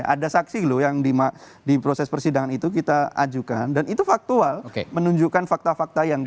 ada saksi loh yang di proses persidangan itu kita ajukan dan itu faktual menunjukkan fakta fakta yang